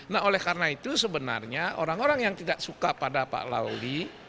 nah oleh karena itu sebenarnya orang orang yang tidak suka pada pak lauli